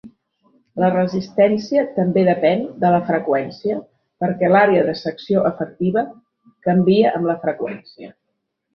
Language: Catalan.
La resistència també depèn de la freqüència perquè l'àrea de secció efectiva canvia amb la freqüència.